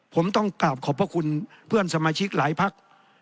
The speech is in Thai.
ผมต้องกราบขอบพระคุณเพื่อนสมาชิกหลายพัก